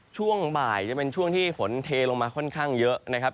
ช่วงบ่ายจะเป็นช่วงที่ฝนเทลงมาค่อนข้างเยอะนะครับ